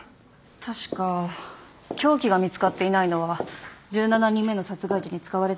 確か凶器が見つかっていないのは１７人目の殺害時に使われたものだけでしたよね。